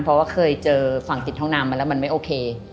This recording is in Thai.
เพราะว่าเคยเจอฝั่งติดห้องน้ำมาแล้วมันไม่โอเค